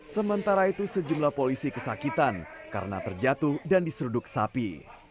sementara itu sejumlah polisi kesakitan karena terjatuh dan diseruduk sapi